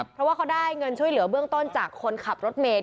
เพราะว่าเขาได้เงินช่วยเหลือเบื้องต้นจากคนขับรถเมย์